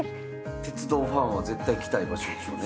鉄道ファンは絶対行きたい場所でしょうね。